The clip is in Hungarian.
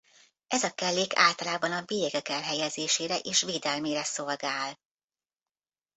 Ez a kellék általában a bélyegek elhelyezésére és védelmére szolgál.